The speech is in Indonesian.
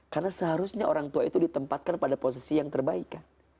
karena seharusnya orang tua itu ditempatkan pada posisi yang terbaik